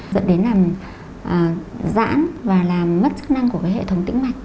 dẫn đến làm giãn và làm mất chức năng của cái hệ thống tĩnh mạch